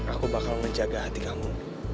aku bakal menjaga hati kamu